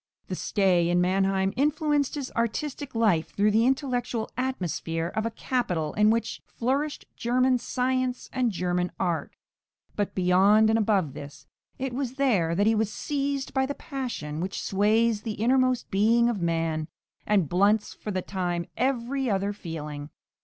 The stay in Mannheim influenced his artistic life through the intellectual atmosphere of a capital in which flourished German science and German art; but beyond and above this, it was there that he was seized by the passion which sways the innermost being of man, and blunts for the time every other feeling.